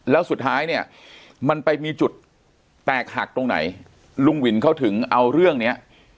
แล้วสุดท้ายเนี่ยมันไปมีจุดแตกหักตรงไหนลุงวินเขาถึงเอาเรื่องเนี้ย